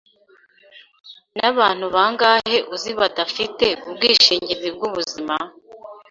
Nabantu bangahe uzi badafite ubwishingizi bwubuzima?